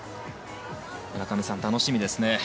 村上さん、楽しみですね。